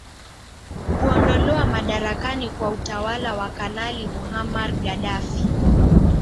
kuondolewa madarakani kwa utawala wa kanali mohamar gaddafi